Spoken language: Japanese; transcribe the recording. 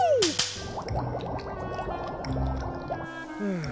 うん。